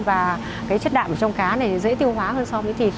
và cái chất đạm trong cá này dễ tiêu hóa hơn so với thịt